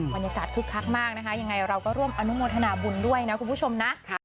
คึกคักมากนะคะยังไงเราก็ร่วมอนุโมทนาบุญด้วยนะคุณผู้ชมนะ